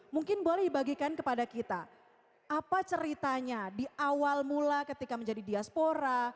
mungkin boleh dibagikan kepada kita apa ceritanya di awal mula ketika menjadi diaspora